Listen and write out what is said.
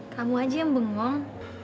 kamu aja yang bengong